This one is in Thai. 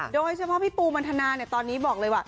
โดยเฉพาะพี่ปูบรรธนาตอนนี้บอกเลยว่า